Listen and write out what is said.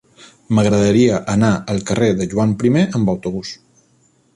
M'agradaria anar al carrer de Joan I amb autobús.